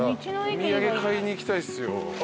お土産買いに行きたいっすよ。